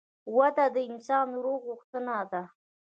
وده د انسان د روح غوښتنه ده.